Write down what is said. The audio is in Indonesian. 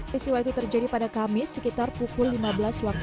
peristiwa itu terjadi pada kamis sekitar pukul lima belas waktu